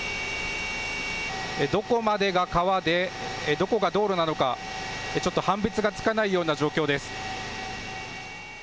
どこまでが川で、どこが道路なのか、ちょっと判別がつかないような状況です。